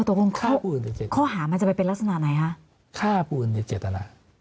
อ๋อตรงผมค่าภูมิในข้อหามันเป็นลักษณะไหนฮะค่าภูมิใน